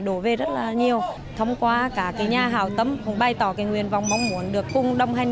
đổ về rất nhiều thông qua cả nhà hào tâm cũng bày tỏ nguyên vọng mong muốn được cùng đồng hành